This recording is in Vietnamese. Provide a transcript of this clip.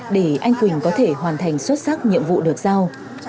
để anh quỳnh có thể hoàn thành xuất sắc nhiệm vụ được giao